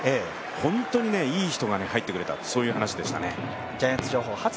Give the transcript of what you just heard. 本当にいい人が入ってくれた、そういう話でしたね。